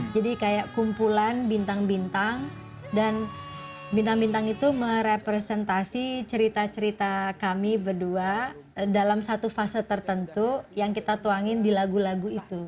jadi kayak kumpulan bintang bintang dan bintang bintang itu merepresentasi cerita cerita kami berdua dalam satu fase tertentu yang kita tuangin di lagu lagu itu